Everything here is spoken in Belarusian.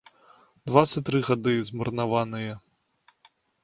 Дваццаць тры гады змарнаваныя.